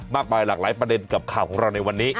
หลากหลายประเด็นกับข่าวของเราในวันนี้